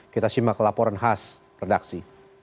kita simak laporan khas redaksi